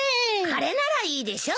これならいいでしょ？